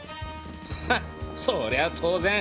ハッそりゃ当然。